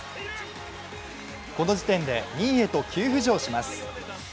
この時点で２位へと急浮上します。